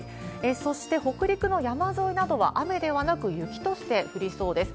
そして、北陸の山沿いなどは雨ではなく雪として降りそうです。